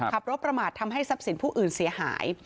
ขับรถประมาททำให้ทรัพย์สินผู้อื่นเสียหาย